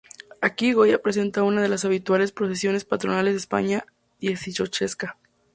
Aquí Goya presenta una de las habituales procesiones patronales en la España dieciochesca.